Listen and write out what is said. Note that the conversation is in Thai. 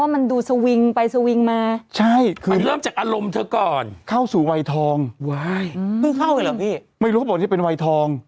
ไม่รู้ถูกว่านี่เป็นไหวทอง